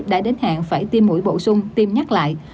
đã đến hẹn phải tiêm mũi bổ sung tiêm nhắc lại